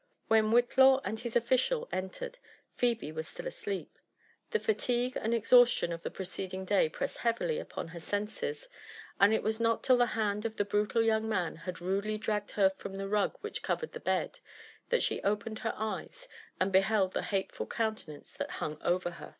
When Whitlaw and his official entered, Phebe was still asleep : the fatigue and exhaustion of the preceding day pressed heavily upon her senses, and it was not till the hand of the brutal young man had rudely dragged away the rug which, covered the bed, that she opened her eyes and beheld the hateful countenance that bung over her.